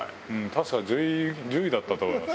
確か１０位だったと思います。